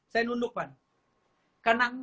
saya nunduk pan